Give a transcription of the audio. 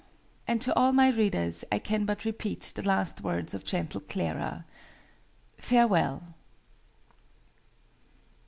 And to all my readers I can but repeat the last words of gentle Clara FARE WELL!